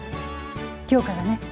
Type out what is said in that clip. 今日からね。